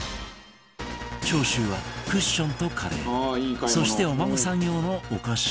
長州はクッションとカレーそしてお孫さん用のお菓子